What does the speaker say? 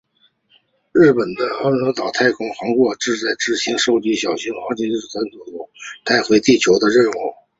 日本的隼鸟号太空船过去亦在执行收集小行星尘土的样本带回地球的任务。